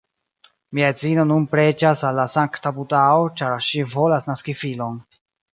Mia edzino nun preĝas al la sankta Budao ĉar ŝi volas naski filon